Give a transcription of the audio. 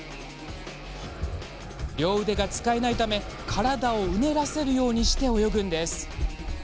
両腕が使えないため体をうねらせるようにして泳ぐんです。